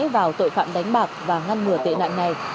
vào tội phạm đánh bạc và ngăn ngừa tệ nạn này